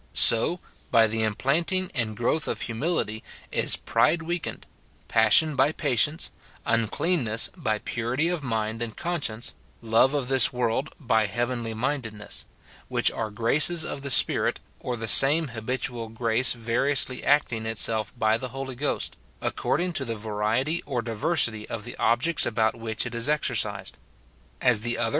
So, by the implanting and growth of humility is pride weakened, passion by patience, un cleanness by purity of mind and conscience, love of this world by heavenly mindedness : which are graces of the Spirit, or the same habitual grace variously acting itself by the Holy Ghost, according to the variety or diversity of the objects about which it is exercised; as the other SIN IN BELIEVERS.